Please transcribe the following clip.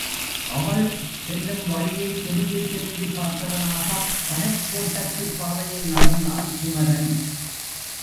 அவள் செல்லும் வழியைத் திரும்பித் திரும்பிப் பார்த்தவனாகப் படைக் கோட்டத்துப் பாதையில் நடந்தான் குமரன்.